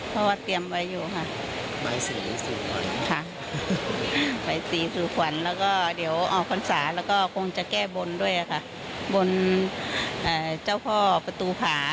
เพราะว่าเตรียมไว้อยู่ค่ะ